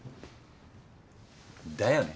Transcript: だよね。